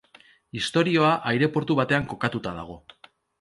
Istorioa aireportu batean kokatuta dago.